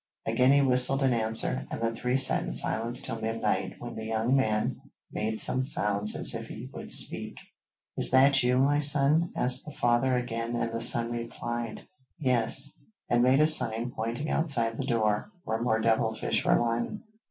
Again he whistled in answer, and the three sat in silence till midnight when the young man made some sounds as if he would speak. 'Is that you, my son?' asked the father again, and the son replied: [Illustration: THE DEAD SON HELPS HIS PARENTS] 'Yes,' and made a sign, pointing outside the door, where more devil fish were lying.